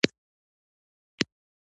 زه لمانځه ته ځم